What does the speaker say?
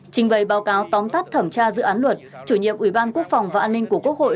trình bày báo cáo tóm tắt thẩm tra dự án luật chủ nhiệm ủy ban quốc phòng và an ninh của quốc hội